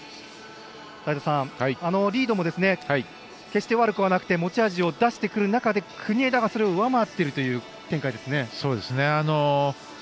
齋田さん、リードも決して悪くはなくて持ち味を出してくる中で国枝がそれを上回っているという展開ですね。